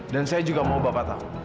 saya juga mau bapak tahu